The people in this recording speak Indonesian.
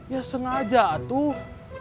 ya sengaja tuh